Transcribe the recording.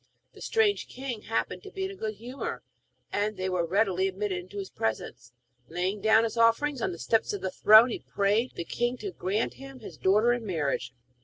The strange king happened to be in a good humour, and they were readily admitted to his presence. Laying down his offerings on the steps of the throne, he prayed the king to grant him his daughter in marriage.